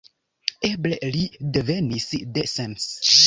Eble li devenis de Sens.